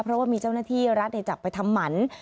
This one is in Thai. เพราะว่ามีเจ้าหน้าที่รัฐจับไปทำหมัน